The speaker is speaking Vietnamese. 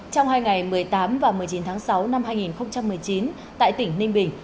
trong hai ngày một mươi tám và một mươi chín tháng sáu năm hai nghìn một mươi chín tại tỉnh ninh bình